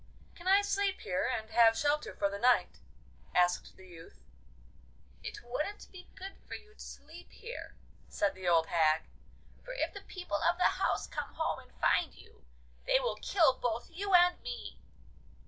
'Can I sleep here, and have shelter for the night?' asked the youth. 'It wouldn't be good for you to sleep here,' said the old hag, 'for if the people of the house come home and find you, they will kill both you and me.